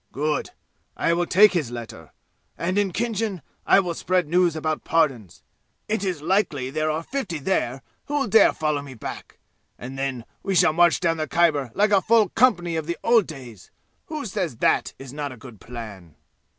Good. I will take his letter. And in Khinjan I will spread news about pardons. It is likely there are fifty there who will dare follow me back, and then we shall march down the Khyber like a full company of the old days! Who says that is not a good plan?"